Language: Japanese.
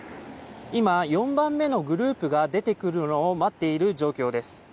今、４番目のグループが出てくるのを待っている状況です。